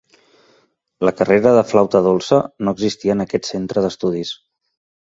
La carrera de flauta dolça no existia en aquest centre d'estudis.